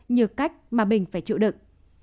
như cách mà mình phải chịu đựng